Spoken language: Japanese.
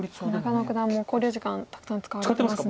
中野九段も考慮時間たくさん使われてますね。